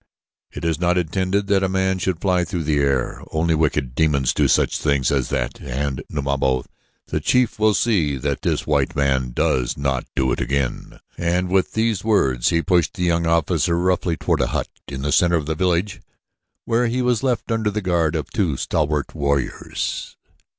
"It is not intended that a man should fly through the air; only wicked demons do such things as that and Numabo, the chief, will see that this white man does not do it again," and with the words he pushed the young officer roughly toward a hut in the center of the village, where he was left under guard of two stalwart warriors.